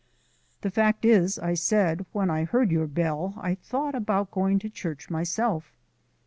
"The fact is," I said, "when I heard your bell I thought of going to church myself."